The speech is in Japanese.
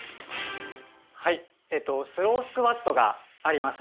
はいえっとスロースクワットがあります